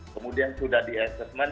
kemudian sudah di asesmen